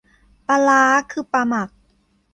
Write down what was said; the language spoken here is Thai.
ปลาร้า คือปลาหมัก